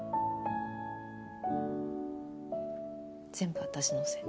全部私のせい。